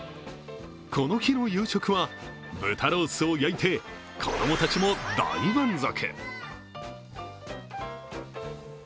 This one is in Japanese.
この日の夕食は豚ロースを焼いて子供たちも大満足。